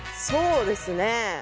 そうですね。